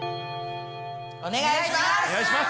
お願いします！